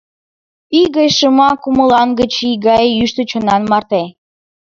Ӱй гай шыма кумылан гыч ий гай йӱштӧ чонан марте!